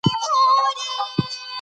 د مهاراجا سپایان په سرحد کي ولاړ دي.